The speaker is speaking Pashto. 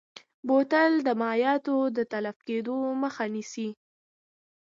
بوتل د مایعاتو د تلف کیدو مخه نیسي.